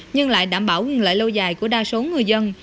nhưng lại đảm bảo nguyên lợi lâu dài của đa số người dân